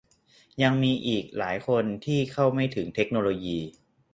ยังมีอีกหลายคนที่เข้าไม่ถึงเทคโนโลยี